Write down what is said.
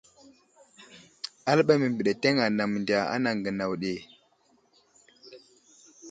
Aləɓay məbeɗeteŋ anaŋ mendiya anaŋ gənaw.